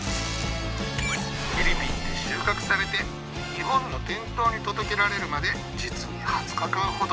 フィリピンで収穫されて日本の店頭に届けられるまで実に２０日間ほど。